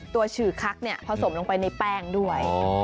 ตัวชื่อคักเนี่ยผสมลงไปในแป้งด้วย